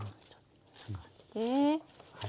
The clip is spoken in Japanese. こんな感じで。